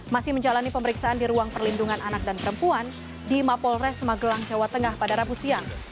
masih menjalani pemeriksaan di ruang perlindungan anak dan perempuan di mapolres magelang jawa tengah pada rabu siang